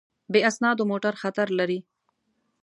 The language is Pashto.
بې اسنادو موټر خطر لري.